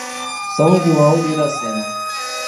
São João de Iracema